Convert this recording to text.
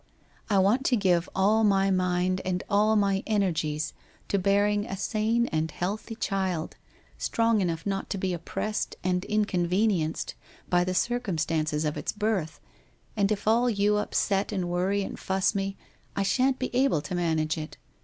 I want to give all my mind and all my energies to bearing a sane and healthy child, strong enough not to be oppressed and in convenienced by the circumstances of its birth, and if all you upset and worry and fuss me, I shan't be able to man age it.